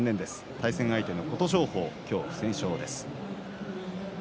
対戦相手の琴勝峰は不戦勝です。